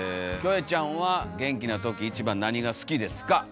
「キョエちゃんは元気な時一番何が好きですか？」。